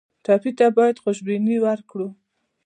ټپي ته باید خوشبیني ورکړو.